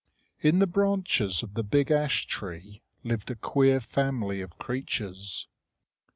In the branches of the big ash tree lived a queer family of creatures.